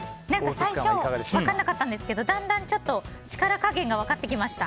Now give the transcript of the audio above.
最初分からなかったんですけどだんだん力加減が分かってきました。